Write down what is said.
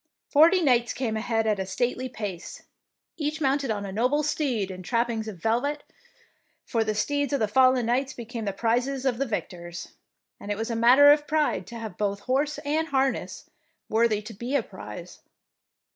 Forty knights came ahead at a stately pace, each mounted on a noble steed in trappings of velvet, for the steeds of the fallen knights be came the prizes of the victors, and it was a matter of pride to have both horse and harness worthy to be a prize.